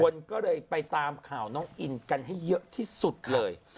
คนก็เลยไปตามข่าวน้องอินกันให้เยอะที่สุดเลย